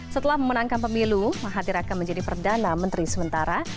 setelah memenangkan pemilu mahathir akan menjadi perdana menteri sementara